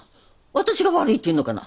私が悪いっていうのかな？